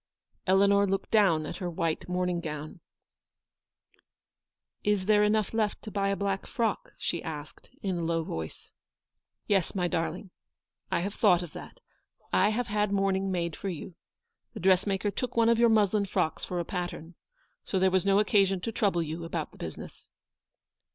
Eleanor looked down at her white morning gown. "Is there enough left to buy a black frock?" she asked, in a low voice. " Yes, my darling. I have thought of that. I have had mourning made for you. The dress maker took one of your muslin frocks for a pattern, so there was no occasion to trouble you about the business."